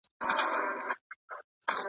په غرب کې د دیني اختلافاتو پروا نشته.